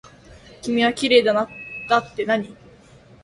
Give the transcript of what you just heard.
君はきれいだってなに。